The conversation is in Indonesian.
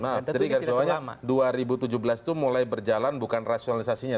jadi dua ribu tujuh belas itu mulai berjalan bukan rasionalisasinya